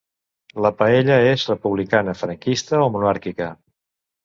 La paella és republicana, franquista o monàrquica?